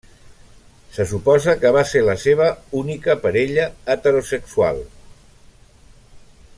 Se suposa que va ser la seva única parella heterosexual.